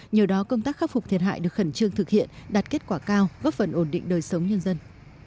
nhờ đó công tác khắc phục thiệt hại được khẩn trương thực hiện đạt kết quả cao góp phần ổn định đời sống nhân dân